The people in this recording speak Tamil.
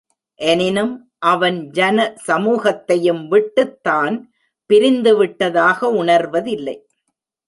எனினும் அவன் ஜன சமூகத்தையும் விட்டுத் தான் பிரிந்துதுவிட்டதாக உணர்வதில்லை.